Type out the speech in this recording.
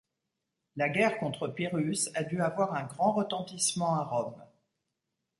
La guerre contre Pyrrhus a dû avoir un grand retentissement à Rome.